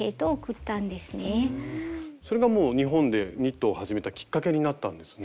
それがもう日本でニットを始めたきっかけになったんですね。